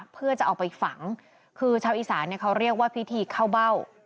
เพื่อจะเอาไปฝังคือชาวอีสานเขาเรียกว่าพิธีเข้าเบ้า